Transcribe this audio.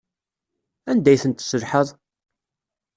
Anda ay tent-tesselhaḍ?